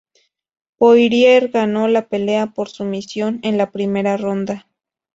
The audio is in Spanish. Poirier ganó la pelea por sumisión en la primera ronda.